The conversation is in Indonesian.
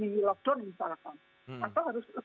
di lockdown misalkan atau harus